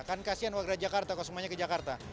kan kasian warga jakarta kalau semuanya ke jakarta